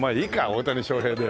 大谷翔平で。